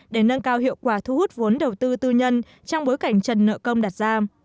để nâng cao hiệu quả thu hút vốn đầu tư tư nhân trong bối cảnh trần nợ công đặt ra